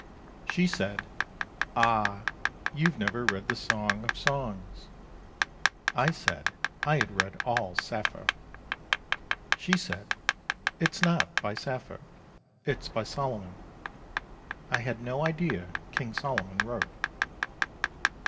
She said, "Ah! You've never read the Song of Songs." I said I had read all Sappho. She said, "It's not by Sappho, it's by Solomon." I had no idea King Solomon wrote.